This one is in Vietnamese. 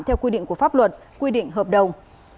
theo quy định của pháp luật quy định hợp đồng